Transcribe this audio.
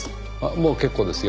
もう結構ですよ。